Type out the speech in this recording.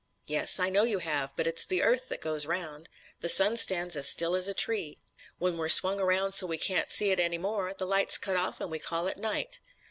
"Yes, I know you have; but it's the earth that goes round. The sun stands as still as a tree. When we're swung round so we can't see it any more, the light's cut off and we call it night."